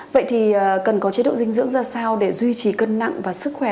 vậy thì cần có chế độ dinh dưỡng ra sao để duy trì cân nặng và sức khỏe